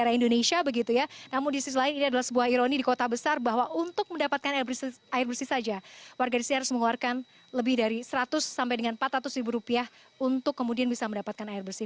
di daerah indonesia begitu ya namun di sisi lain ini adalah sebuah ironi di kota besar bahwa untuk mendapatkan air bersih saja warga di sini harus mengeluarkan lebih dari seratus sampai dengan empat ratus ribu rupiah untuk kemudian bisa mendapatkan air bersih